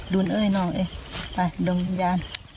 ดุลเอ้ยน้องเอ๊ะไปด้วยวิญญาณ